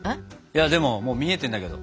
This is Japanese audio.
でももう見えてんだけど。